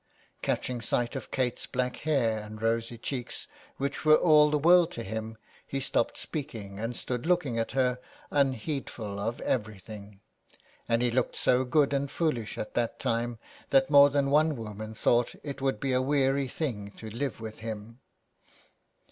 Catching sight of Kate's black hair and rosy cheeks, which were all the world to him, he stopped speaking and stood looking at her, unheedful of everything ; and he looked so good and foolish at that time that more than one woman thought it would be a weary thing to live with him.